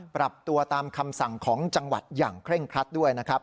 ปรับตัวตามคำสั่งของจังหวัดอย่างเคร่งครัดด้วยนะครับ